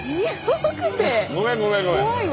ごめんごめんごめん。